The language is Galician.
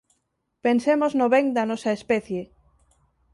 Pensemos no ben da nosa especie.